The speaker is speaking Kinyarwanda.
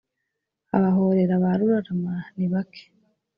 abahorera ba rurarama ni bake